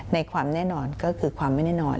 ในความแน่นอนก็คือความไม่แน่นอน